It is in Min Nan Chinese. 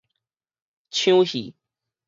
搶戲